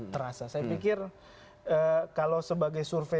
terasa saya pikir kalau sebagai survei